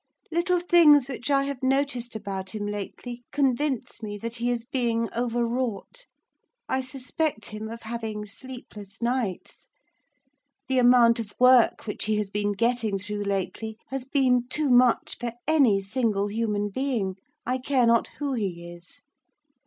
Little things which I have noticed about him lately convince me that he is being overwrought. I suspect him of having sleepless nights. The amount of work which he has been getting through lately has been too much for any single human being, I care not who he is.